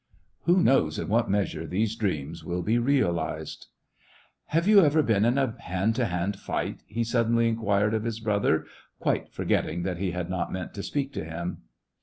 Who knows in what measure these dreams will be realized ?*' Have you ever been in a hand to hand fight ?" he suddenly inquired of his brother, quite forgetting that he had not meant to speak to him.